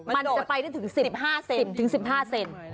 มันจะไปที่ถึง๑๕เซน